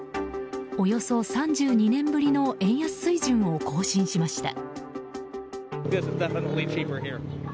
およそ３２年ぶりの円安水準を更新しました。